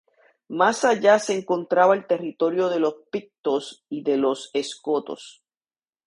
Más allá se encontraba el territorio de los pictos y de los escotos.